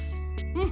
うん。